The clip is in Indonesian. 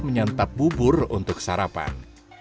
menyantap bubur untuk sarapan